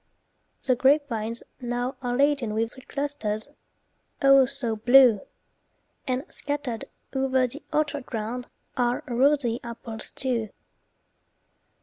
The grapevines now are laden with Sweet clusters, oh, so blue! And scattered o'er the orchard ground Are rosy apples, too.